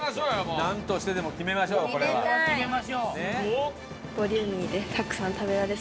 なんとしてでも決めましょうこれは。決めたい！